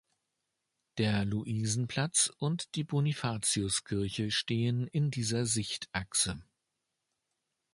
Der Luisenplatz und die Bonifatiuskirche stehen in dieser Sichtachse.